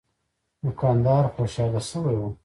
دوکاندار خوشاله شوی و.